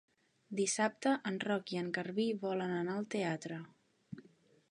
Dissabte en Roc i en Garbí volen anar al teatre.